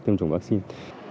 tiêm chủng vaccine